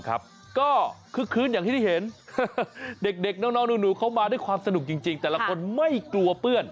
ครับก็คืนอย่างที่ได้เห็นเด็กน้องถูกเข้าบ้านได้ความสนุกจริงจริงค่ะละคนไม่กลัวเพื่อน